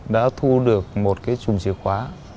đã thu được một cái chùm chìa khóa